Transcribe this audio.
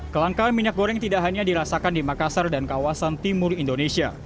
kelangkaan minyak goreng tidak hanya dirasakan di makassar dan kawasan timur indonesia